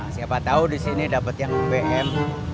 siapa tau disini dapet yang bm